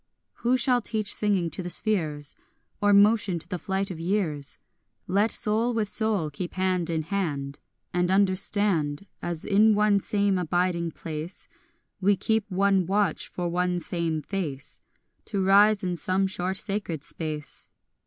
6 Who shall teach singing to the spheres, Or motion to the flight of years? Let soul with soul keep hand in hand And understand, As in one same abiding place We keep one watch for one same face To rise in some short sacred space.